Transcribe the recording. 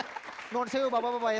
menurut saya bapak bapak ya